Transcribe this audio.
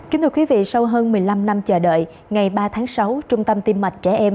kính thưa quý vị sau hơn một mươi năm năm chờ đợi ngày ba tháng sáu trung tâm tiêm mạch trẻ em